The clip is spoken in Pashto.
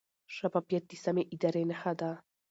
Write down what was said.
شفافیت د سمې ادارې نښه ده.